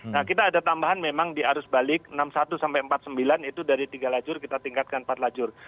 nah kita ada tambahan memang di arus balik enam puluh satu sampai empat puluh sembilan itu dari tiga lajur kita tingkatkan empat lajur